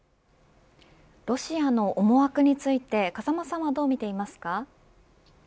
ロシアの思惑について風間さんはどうみていますか。